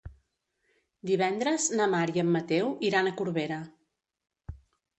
Divendres na Mar i en Mateu iran a Corbera.